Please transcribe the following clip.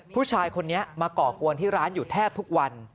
ผู้ชายคนนี้มาก่อกวนที่ร้านอยู่แทบทุกวัน